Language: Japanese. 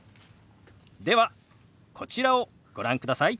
ではこちらをご覧ください。